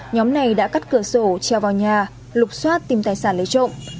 nhóm này đã cắt cửa sổ treo vào nhà lục xoát tìm tài sản lấy trộm